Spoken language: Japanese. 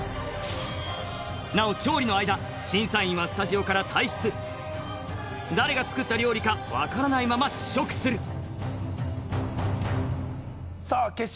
なお調理の間審査員はスタジオから退室誰が作った料理か分からないまま試食するさあ決勝戦第一試合準備はよろしいでしょうか？